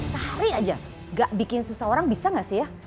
sehari aja gak bikin susah orang bisa gak sih ya